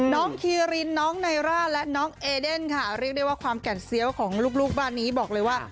คีรินน้องไนร่าและน้องเอเดนค่ะเรียกได้ว่าความแก่นเซียวของลูกบ้านนี้บอกเลยว่า